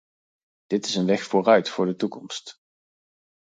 Dit is een weg vooruit voor de toekomst.